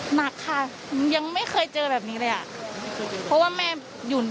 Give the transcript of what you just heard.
หนักค่ะยังไม่เคยเจอแบบนี้เลยอ่ะเพราะว่าแม่อยู่